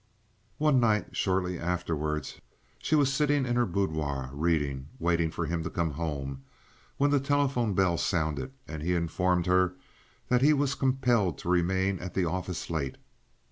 One night, shortly afterward, she was sitting in her boudoir reading, waiting for him to come home, when the telephone bell sounded and he informed her that he was compelled to remain at the office late.